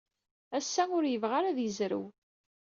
Ass-a, ur yebɣi ara ad yezrew.